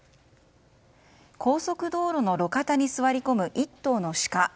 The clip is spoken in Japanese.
高速道路の路肩に座り込む１頭のシカ。